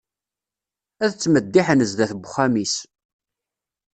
Ad tmeddiḥen sdat n uxxam-is.